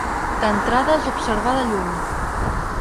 D'entrada, els observà de lluny.